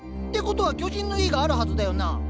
てことは巨人の家があるはずだよな？